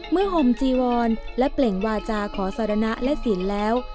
ห่มจีวรและเปล่งวาจาขอสารณะและศิลป์แล้ว